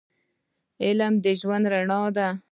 علم د ژوند رڼا ده